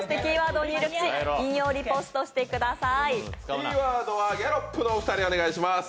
キーワードはギャロップの２人、お願いします。